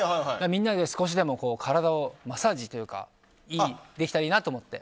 みんなで少しでも体をマッサージというか良くできたらいいなと思って。